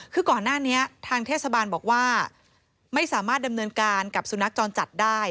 คือก่อนหน้านี้ทางเทศบาลบอกว่าไม่สามารถดำเนินการกับสุนัขจรจัดได้